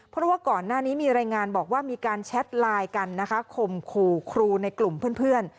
เพราะว่าก่อนหน้านี้มีรายงานบอกว่ามีการแชทไลน์กันนะคะข่มขู่ครูในกลุ่มเพื่อน